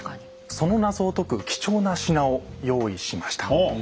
その謎を解く貴重な品を用意しました。